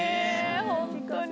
本当に。